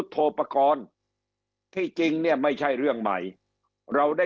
แต่ทำไมไปดูงบค่าใช้จ่ายบางส่วนยังน่าตกใจ